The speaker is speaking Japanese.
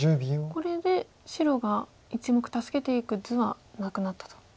これで白が１目助けていく図はなくなったと。